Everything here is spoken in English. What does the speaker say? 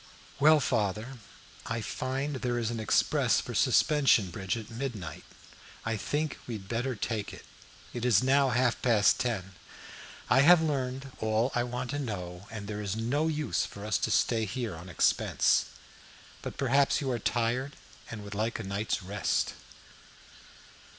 "Well, father, I find there is an express for Suspension Bridge at midnight. I think we had better take it. It is now half past ten. I have learned all I wanted to know, and there is no use for us to stay here on expense. But perhaps you are tired, and would like a night's rest."